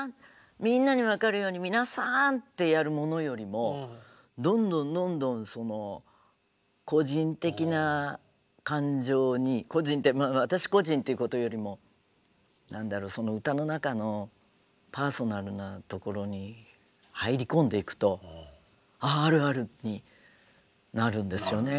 みんなに分かるように皆さんってやるものよりもどんどんどんどん個人的な感情に個人って私個人っていうことよりも何だろう歌の中のパーソナルなところに入り込んでいくとあああるあるになるんですよね。